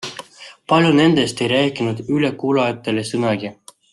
Paljud nendest ei rääkinud ülekuulajatele sõnagi.